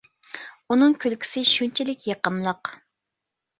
ئۇنىڭ كۈلكىسى شۇنچىلىك يېقىملىق.